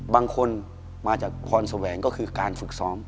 บางคนมาจากพรแสวงก็คือการฝึกซ้อม